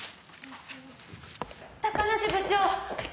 高梨部長！